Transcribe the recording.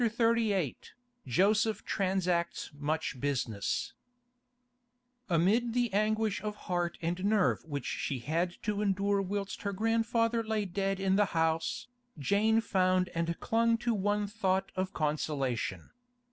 CHAPTER XXXVIII JOSEPH TRANSACTS MUCH BUSINESS Amid the anguish of heart and nerve which she had to endure whilst her grandfather lay dead in the house, Jane found and clung to one thought of consolation.